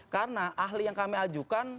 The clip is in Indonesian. karena ahli yang kami ajukan